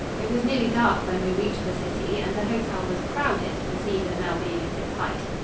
It was nearly dark when we reached the city and the hotel was crowded, the season now being at its height.